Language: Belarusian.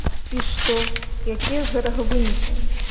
І што, якія з гэтага вынікі?